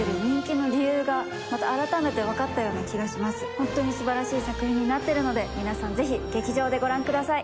ホントに素晴らしい作品になってるので皆さんぜひ劇場でご覧ください。